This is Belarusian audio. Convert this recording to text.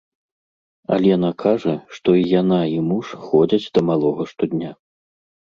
Алена кажа, што і яна, і муж ходзяць да малога штодня.